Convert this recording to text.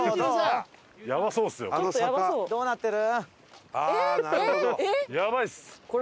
どうなってる？